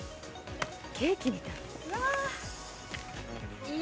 ケーキみたい。